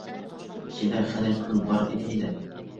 ئىچىدە خېلى پۇل بار ئىدى دەپ.